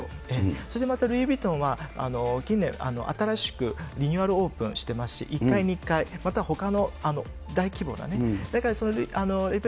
それでまたルイ・ヴィトンは近年、新しくリニューアルオープンしてますし、１階、２階、またほかの大規模なね。